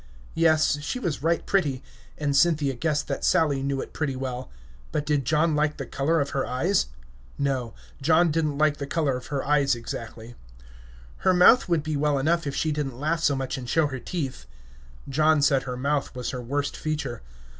"Yes, she was right pretty;" and Cynthia guessed that Sally knew it pretty well. But did John like the color of her eyes? No; John didn't like the color of her eyes exactly. "Her mouth would be well enough if she did n't laugh so much and show her teeth." John said her mouth was her worst feature.